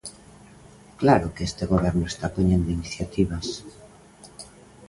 ¡Claro que este goberno está poñendo iniciativas!